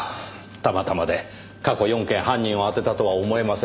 たまたまで過去４件犯人を当てたとは思えませんがね。